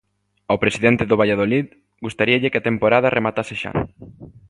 Ao Presidente do Valladolid, gustaríalle que a temporada rematase xa.